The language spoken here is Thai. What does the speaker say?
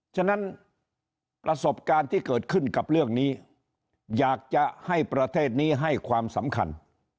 ฉะนั้นประสบการณ์ที่เกิดขึ้นกับเรื่องนี้อยากจะให้ประเทศนี้ให้ความสำคัญ